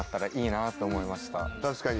確かに。